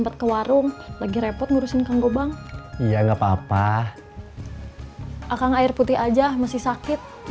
terima kasih cek